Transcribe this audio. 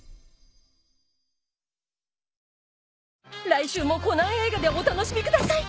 来週もコナン映画でお楽しみください！